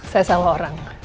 saya salah orang